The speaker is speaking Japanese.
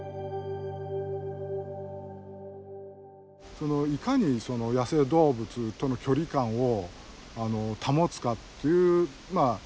そのいかに野生動物との距離感を保つかというまあ